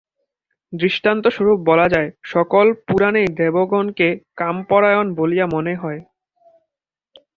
দৃষ্টান্তস্বরূপ বলা যায়, সকল পুরাণেই দেবগণকে কামপরায়ণ বলিয়া মনে হয়।